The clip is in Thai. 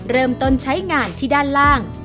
เริ่มต้นใช้งานที่ด้านล่าง